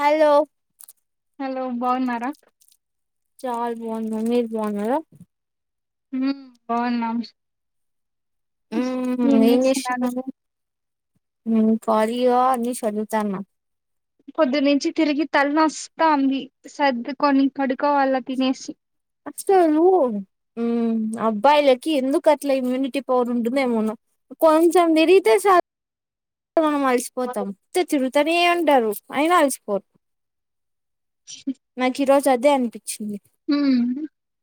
Hello hello బాగున్నారా చాల బాగున్నా మీరు బాగున్నారా హ్మ్ బాగున్నాం ఉమ్ ఏం చేస్తున్నారు పారీవా అని సర్దుతున్న పొద్దునుంచి తిరిగి [unintelligible] ఉ అబ్బాయిలకి ఎందుకు అట్లా ఇమ్యూనిటీ పవర్ ఉంటేమన్నా కొంచెం తిరిగితే చ మనం అలిసిపోతం తిరుగుతూనే ఉంటారు అయినా అలసిపోరు నాకు ఈరోజు అదే అనిపించింది పిచ్చింది హ్మ్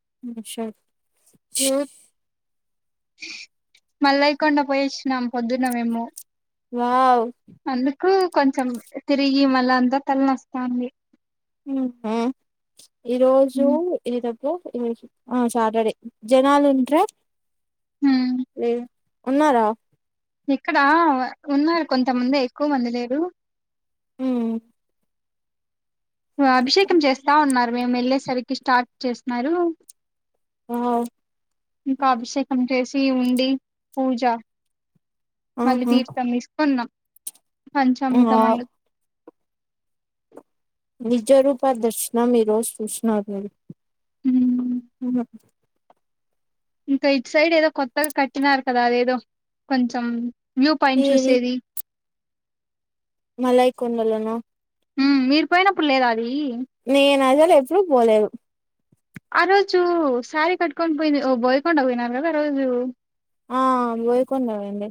[unintelligible] హ మల్లయ్య కొండ పోయి వచ్చినం పొద్దున మేము వావ్ అందుకు కొంచెం తిరిగి మళ్ళ అంతా తలనొస్తాంది మ్మ్ ఈరోజు హ్మ్ ఏదబ్బా ఆ సాటర్డే జనాలు ఉంట్ర హ్మ్. లే ఉన్నారా ఇక్కడ ఉన్నారు కొంత ముందే ఎక్కువ మంది లేరు హ్మ్ అభిషేకం చేస్తా ఉన్నారు మేము వెళ్ళేసరికి స్టార్ట్ చేస్తున్నారు ఆ ఇంకా అభిషేకం చేసి పి ఉండి పూజ మళ్ళీ ఆహా తీర్థం తీసుకోన్నాం పంచామృతం ఆ అందు నిజ రూప దర్శ మీ రోజు చూసిన మీరు హ్మ్ ఇంకా ఇటు సైడ్ ఏదో కొత్తగా కట్టినారు కదా అదేదో కొంచెం వ్యూ పాయింట్ చూసేది మళయి కొండండాలనా మీరు పోయినప్పుడు లేదా అది నేనాజ ప్పుూ బోలే ఆ రోజు శారీ కట్టుకొనిడి పోయింది ఓ బోయకుండా పోయినారు కదా ఆ రోజు ఆ పోయికొందవడి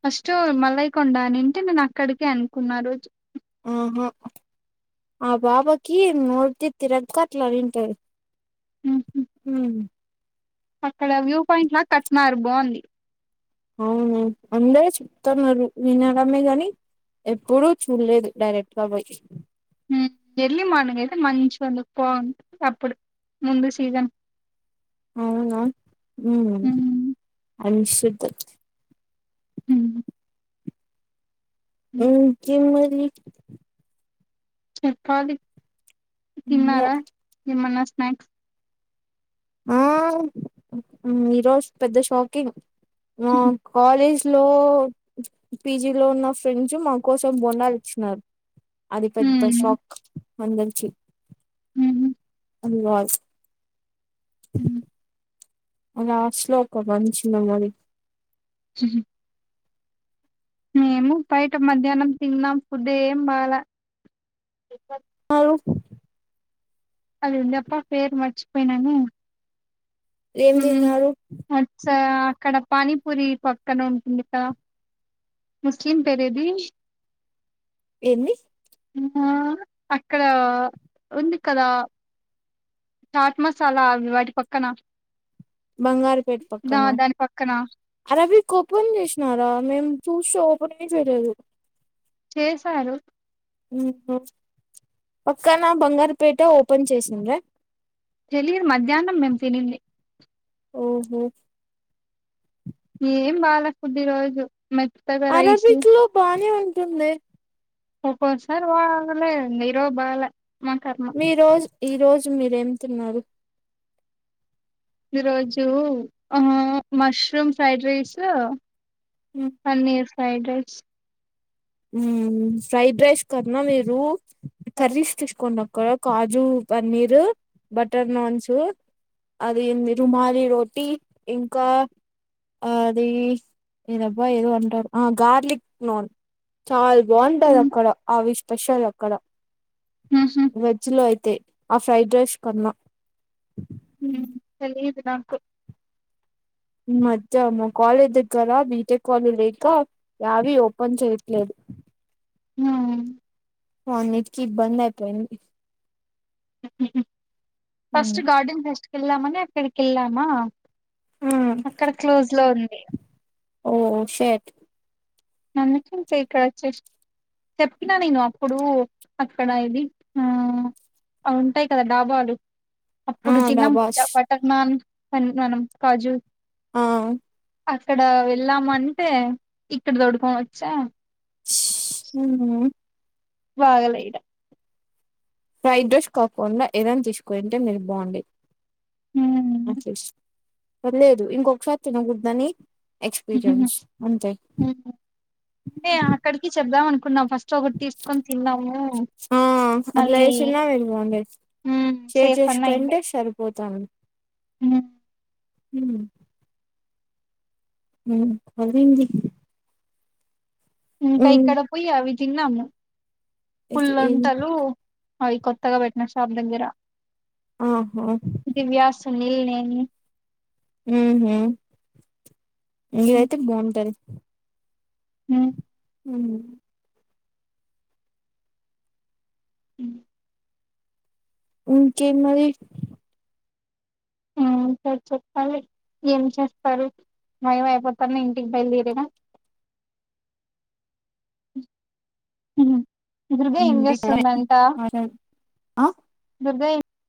ఫస్ట్ మల్లైకొండనింటే నేను అక్కడికే అనుకున్నారు ఆహా ఆ బాబాకి నోడ్త తిరగగా అట్లరింతయి ఉ హ అక్కడ వ్యూ పాయింట్ లా కట్నార్ బాంది అవును అందర చెూప్తున్నారు వినకమే కాని ఎప్పుడుూ చూడలేదు డైరెక్ట్ గా పోయి ఎర్లి మార్నింగ్ అయితే మంచి అంది పోవంది అప్పుడు ముందు సీజన్ అవునా హ హ్మ్ అనిశుద్ధ హ్మ్ అ క న చెప్పది తిన్నారా నిమన్నా స్నాక్స్ ఆ అ ఈరోజు పెద్ద షాకింగ్ ఆ కాలేజ్ లో పీజిలో ఉన్న ఫ్రెండ్స్ మా కోసం బొండాలు ఇచ్చినారు అది పెద్ద హ్మ్ షాక్ వందంచి ఉహు, వాయిస్ చ్ ఉహు. అలా శ్లోకం మంచిన మరి చుహ్ మేము బయట మధ్యాహ్నం తినం ఫుడ్ ఏం బాల ఆరు అది ఉందఅప్ప పేరు మర్చిపోయిననే ఏం తిన్నారు అచ్చ అక్కడ పానీపూరి పక్కన ఉంటుంది గా ముస్లిం పేరేమి ఎన్ని అక్కడ ఉంది కదా చాట్ మసాలా అవి వాటి పక్కన బంగాల పేట్ దా పక్కన దాని పక్కన అరబి ఓపెన్ చేసినారా మేము చూస్తే ఓపెనే చేయలేదు చేసారు పక్కన బంగారుపేట ఓపెన్ చేసింది తెలీదు మధ్యాహ్నం మేము తినింది ఓహో ఏం బాల ఫుడ్ ఈ రోజు మెత్తగా రైస్ అరబిక్ లో బానే ఉంట ఉంటుందే ఒక్కో సారి బగలే ఈరోజు బాల మీ రోజు ఈ రోజు మీరేం తిన్నారు ఈ రోజు మష్రూమ్ ఫ్రైడ్ రైస్ ఊ పన్నీర్ ఫ్రైడ్ రైస్ ఉ ఫ్రైడ్ రాైస్ కన్నా మీరు రూ కర్రీస్ తీసుకున్నాం కాజు పన్నీర్ బటర్ నాన్స్ అది రుమాలి రోటీ ఇంకా అది ఏదబా ఏదో అంటారు ఆ గార్లిక్ నాన్ ఉహు చాలా బాగుంటాది అక్కడ అవి స్పెషల్ అక్కడ వెజ్ లో అయితే ఆ ఫ్రైడ్ రైస్ కన్నా చలి నాకు మధ్య మా కాలేజ్ దగ్గర బీటెక్ కాలేజ్ లేక యావీ ఓపెన్ చేయట్లేదు హ అన్నిటికి ఇబ్బంది అయిపోయింది ఉమ్ ఫస్ట్ గార్డెన్ ఫెస్ట్ వెళ్ళమానే ఎక్కడకి వెళ్ళమా ఉమ్. అక్కడ క్లోజ్ లో ఉంది ఓ సేట్ అందుకం పే కచ్చే చెప్పినా నేను అప్పుడు అక్కడ ఇది ఆ అ ఉంటాయి కదా డాబాలు ఆ అప్పుడు చిన్న డబాస్ బటర్ నాన్ అ మన కాజు ఆ అక్కడ వెళ్ళామంటే ఇ దడుకో వచ్చా ఉహ్ ఉహ్ వాగలెడా ఫ్రైడ్ డ్రెస్ [unintelligible] ఏదనా తీసుకోంటే మీరు బాగుండి ఉమ్. పర్లేదు ఇంకొకసారీ తినగుద్దాని ఎక్స్పీరియన్స్ ఉంటాయి ఏ అక్కడికి [unintelligible] ఫస్ట్ ఒకటి తీసుకొని తిన్నాాము ఆ అట్లా మళ్ళీ చేసినా మీరు బాగుండేది ఉహ్ షేర్ సేఫ్ అన్నా అయి చేసుకుంటే ఉండేది [unintelligible] ఉహ్ హమ్ ఉహ్ వెళ్ళింది ఉహ్ కై కడపుయి అవి తిన్నాము ఏది పుల్ళంటలు అవి కొత్తగా పెట్టిన షాప్ దగ్గర ఆహా నేనే ఉహ్ ఉహ్ ఇదయితే బాగుంటది ఉహ్ ఉహ్ అ ఇంకేం మరి ఆ ఇంక చెప్పాలి. ఏం చేస్తారు టైం అయిపోతుంది ఇంటికి బయలుదేరేనా? ఉమ్ దుర్గా ఏం హ్మ్. చేస్తుంది అంట ఆ! దుర్గా ఎం